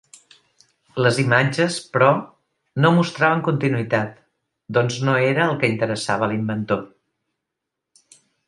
Les imatges, però, no mostraven continuïtat, doncs no era el que interessava a l’inventor.